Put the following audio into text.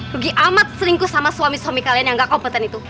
pergi amat seringkus sama suami suami kalian yang gak kompeten itu